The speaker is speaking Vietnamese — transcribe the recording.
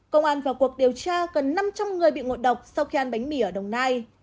công an vào cuộc điều tra gần năm trăm linh người bị ngộ độc sau khi ăn bánh mì ở đồng nai